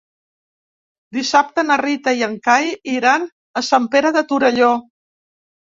Dissabte na Rita i en Cai iran a Sant Pere de Torelló.